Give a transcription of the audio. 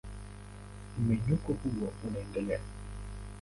Mmenyuko huo unaendelea.